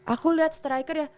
aku liat strikernya